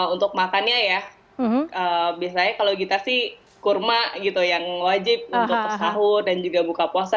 untuk makannya ya biasanya kalau gita sih kurma gitu yang wajib untuk sahur dan juga buka puasa